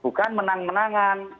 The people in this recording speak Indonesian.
bukan menang menangan